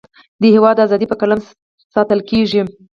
د هیواد اذادی په قلم ساتلکیږی